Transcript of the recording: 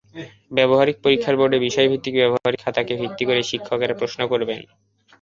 ব্যবহারিক পরীক্ষার বোর্ডে বিষয়ভিত্তিক ব্যবহারিক খাতাকে ভিত্তি করে শিক্ষকেরা প্রশ্ন করবেন।